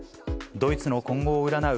ドイツの今後を占う